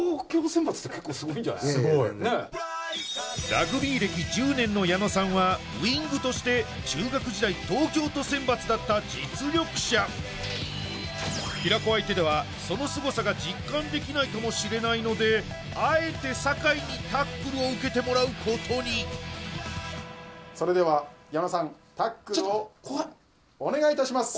すごいねラグビー歴１０年の矢野さんはウイングとして中学時代平子相手ではそのすごさが実感できないかもしれないのであえて酒井にタックルを受けてもらうことにそれでは矢野さんタックルをお願いいたします